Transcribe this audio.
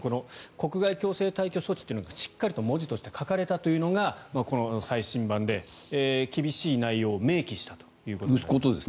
国外強制退去措置というのがしっかりと文字として書かれたというのがこの最新版で、厳しい内容を明記したということになります。